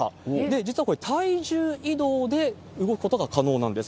実はこれ、体重移動で動くことが可能なんです。